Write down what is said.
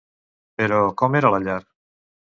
Però com era la llar?